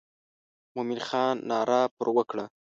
مومن خان ناره پر وکړه.